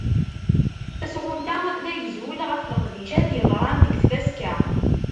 Tasɣunt-a d agzul ɣef leqdicat yeḍran deg tfaska.